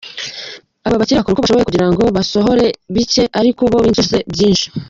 Aba bakire bakora uko bashoboye kugira ngo basohore bike ariko bo binjize byinshi.